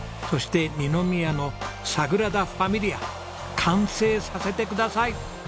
そして二宮のサグラダ・ファミリア完成させてください！